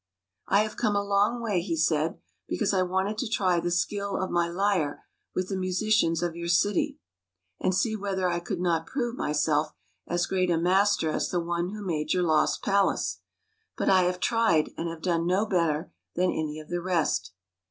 " I have come a long way," he said, " because I wanted to try the skill of my lyre with the musicians; of your city, and see whether I could not prove myself as great a master as the one who made your lost, palace. But I have tried, and have done no better than any of the rest."